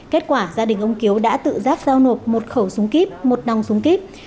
kết quả gia đình ông kiếu đã tự giác giao nộp một khẩu súng kíp một nòng súng kíp